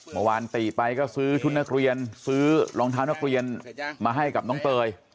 เมื่อวานติไปก็ซื้อชุดนักเรียนซื้อรองเท้านักเรียนมาให้กับน้องเตย